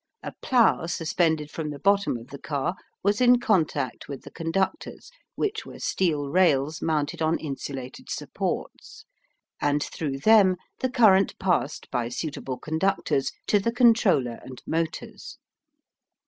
A plow suspended from the bottom of the car was in contact with the conductors which were steel rails mounted on insulated supports, and through them the current passed by suitable conductors to the controller and motors.